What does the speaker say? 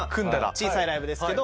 小さいライブですけど。